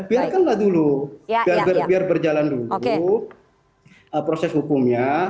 biarkanlah dulu biar berjalan dulu proses hukumnya